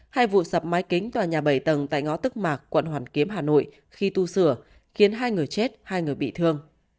hai vụ sập mái kính tòa nhà bảy tầng tại ngõ tức mạc quận hoàn kiếm hà nội khi tu sửa khiến hai người chết hai người bị thương